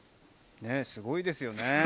すごいですよね。